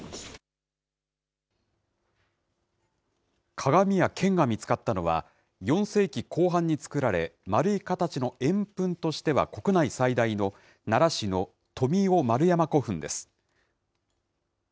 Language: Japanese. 鏡や剣が見つかったのは、４世紀後半に造られ、丸い形の円墳としては国内最大の奈良市の富雄丸山古墳です。